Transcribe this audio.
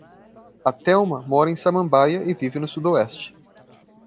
A Telma mora em Samambaia e vive no Sudoeste.